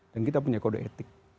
dan kita punya kode etik